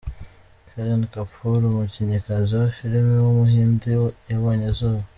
Kareena Kapoor, umukinnyikazi wa film w’umuhindi yabonye izuba,.